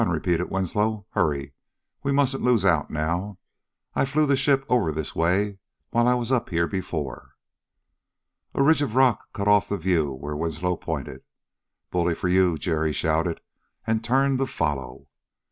repeated Winslow. "Hurry! We mustn't lose out now. I flew the ship over this way while I was up here before." A ridge of rock cut off the view where Winslow pointed. "Bully for you!" Jerry shouted and turned to follow.